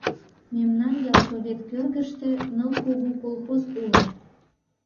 Мемнан ялсовет кӧргыштӧ ныл кугу колхоз уло.